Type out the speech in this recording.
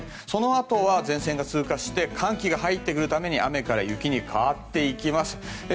そのあと、前線が通過して寒気が入ってくるため雨が雪に変わっていきます。